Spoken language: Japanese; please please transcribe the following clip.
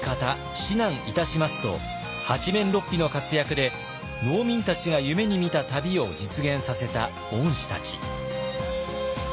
指南いたします」と八面六臂の活躍で農民たちが夢にみた旅を実現させた御師たち。